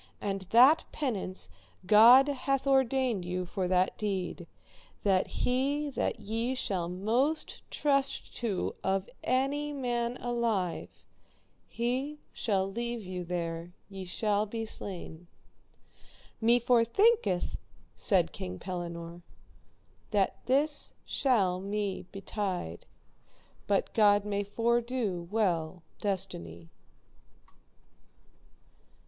And that penance God hath ordained you for that deed, that he that ye shall most trust to of any man alive, he shall leave you there ye shall be slain. Me forthinketh, said King Pellinore, that this shall me betide, but God may fordo well destiny.